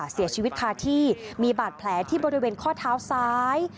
เสียชีวิตคาที่มีบาดแผลที่บริเวณข้อเท้าซ้าย